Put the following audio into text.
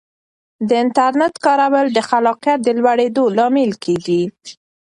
د انټرنیټ کارول د خلاقیت د لوړېدو لامل کیږي.